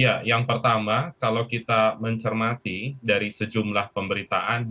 ya yang pertama kalau kita mencermati dari sejumlah pemberitaan